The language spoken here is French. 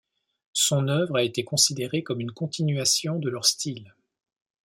Son œuvre a été considérée comme une continuation de leurs styles.